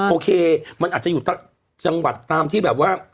โอเคมันอาจจะอยู่จังหวัดตามที่แบบว่า